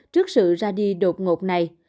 trước sự ra đi đột ngột này